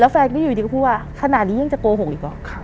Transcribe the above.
แฟนก็อยู่ดีก็พูดว่าขนาดนี้ยังจะโกหกอีกหรอ